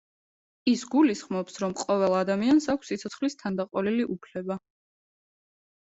ის გულისხმობს, რომ ყოველ ადამიანს აქვს სიცოცხლის თანდაყოლილი უფლება.